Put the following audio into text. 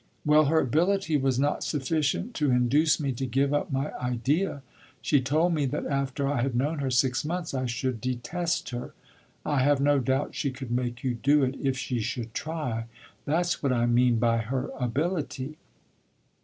"Well, her ability was not sufficient to induce me to give up my idea. She told me that after I had known her six months I should detest her." "I have no doubt she could make you do it if she should try. That 's what I mean by her ability."